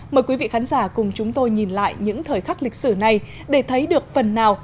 mời quý vị khán giả cùng chúng tôi nhìn lại những thời khắc lịch sử này để thấy được phần nào